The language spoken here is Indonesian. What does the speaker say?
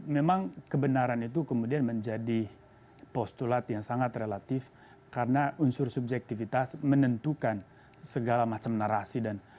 memang kebenaran itu kemudian menjadi postulat yang sangat relatif karena unsur subjektivitas menentukan segala macam narasi dan